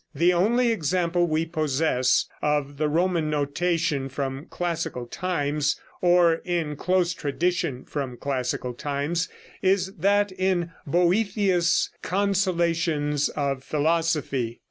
The only example we possess of the Roman notation from classical times, or in close tradition from classical times, is that in "Boethius' Consolations of Philosophy."